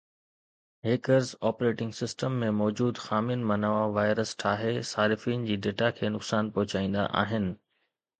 hackers operating system ۾ موجود خامين مان نوان وائرس ٺاهي صارفين جي ڊيٽا کي نقصان پهچائيندا آهن